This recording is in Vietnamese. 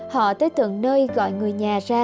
họ tới tượng nơi gọi người nhà ra